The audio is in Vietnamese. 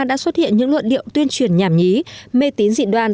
đã xuất hiện những luận điệu tuyên truyền nhảm nhí mê tín dị đoan